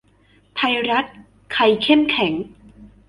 ไทยรัฐ ใครเข้มแข็ง